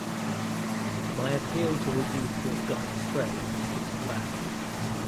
My appeal to the youth who have gone astray is to come back.